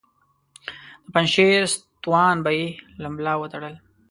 د پنجشیر ستوان به یې له ملا وتړل.